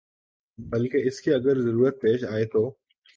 بلکہ اس کی اگر ضرورت پیش آئے تو